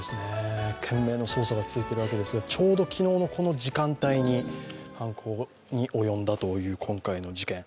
懸命の捜査が続いているわけですが、ちょうど昨日のこの時間帯に犯行に及んだという今回の事件。